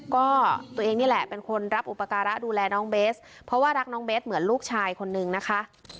ก็ตัวเองนี่แหละเป็นคนรับอุปการะดูแลน้องเบสเพราะว่ารักน้องเบสเหมือนลูกชายคนนึงนะคะ